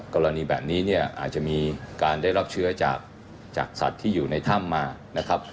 กรณีแบบนี้เนี่ยอาจจะมีการได้รับเชื้อจากสัตว์ที่อยู่ในถ้ำมานะครับ